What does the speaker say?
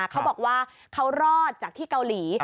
เขาบอกว่าเขารอดจากที่เกาหลี